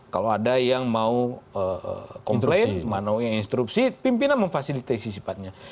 kalau ada yang mau komplain mana yang instrupsi pimpinan memfasilitasi sifatnya